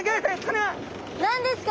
何ですか？